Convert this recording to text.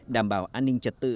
đảm bảo an ninh trật tự